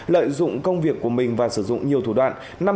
lợi dụng công việc của mình và sử dụng nhiều thủ đoạn